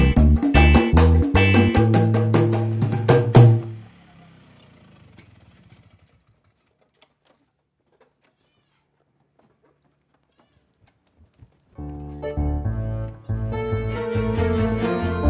ini ada olahraga dan nyam boh ayo